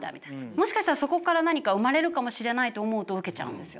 もしかしたらそこから何か生まれるかもしれないと思うと受けちゃうんですよ。